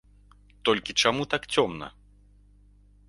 Толькі чаму так цёмна?